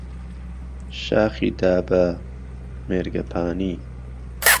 شاخی دابه -- مێرگهپانی